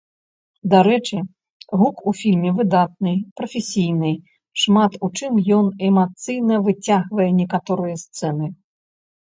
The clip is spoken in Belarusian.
Дарэчы, гук у фільме выдатны, прафесійны, шмат у чым ён эмацыйна выцягвае некаторыя сцэны.